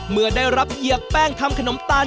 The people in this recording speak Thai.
เมื่อได้รับเหยียบแป้งทำขนมตาล